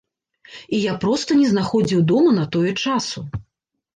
І я проста не знаходзіў дома на тое часу.